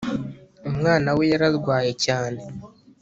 umwana we yararwaye cyane